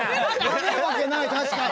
食べるわけない確かに！